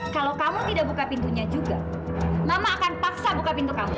kalau kamu tidak buka pintunya juga mama akan paksa buka pintu kamu